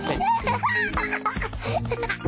アハハハ！